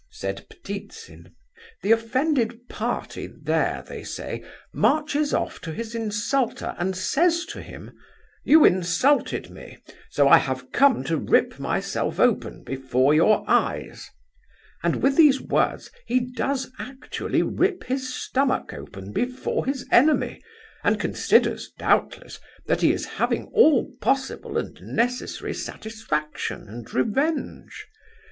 said Ptitsin. "The offended party there, they say, marches off to his insulter and says to him, 'You insulted me, so I have come to rip myself open before your eyes;' and with these words he does actually rip his stomach open before his enemy, and considers, doubtless, that he is having all possible and necessary satisfaction and revenge.